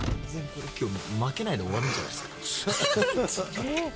きょうまけないで終わるんじゃないですか？